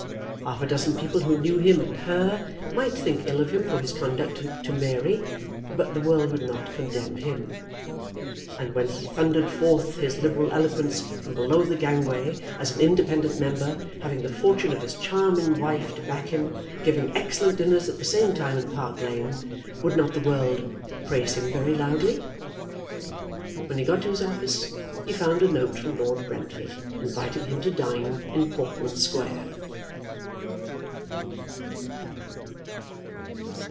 Half a dozen people who knew him and her might think ill of him for his conduct to Mary, but the world would not condemn him! And when he thundered forth his liberal eloquence from below the gangway as an independent member, having the fortune of his charming wife to back him, giving excellent dinners at the same time in Park Lane, would not the world praise him very loudly? When he got to his office he found a note from Lord Brentford inviting him to dine in Portman Square.